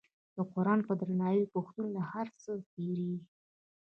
د قران په درناوي پښتون له هر څه تیریږي.